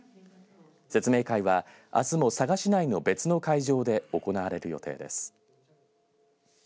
説明会はあすも佐賀市内の別の会場で行われる予定です。